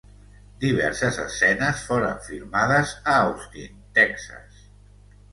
Diverses escenes foren filmades a Austin, Texas.